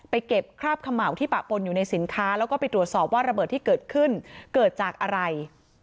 เก็บคราบเขม่าที่ปะปนอยู่ในสินค้าแล้วก็ไปตรวจสอบว่าระเบิดที่เกิดขึ้นเกิดจากอะไร